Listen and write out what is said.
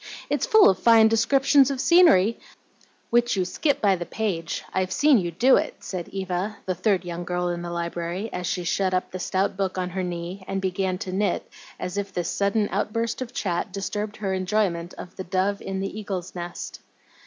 It's full of fine descriptions of scenery " "Which you skip by the page, I've seen you do it," said Eva, the third young girl in the library, as she shut up the stout book on her knee and began to knit as if this sudden outburst of chat disturbed her enjoyment of "The Dove in the Eagle's Nest."